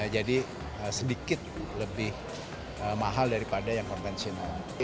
jadi sedikit lebih mahal daripada yang konvensional